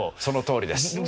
そのとおりです。